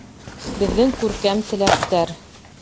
Беҙҙең күркәм теләктәр!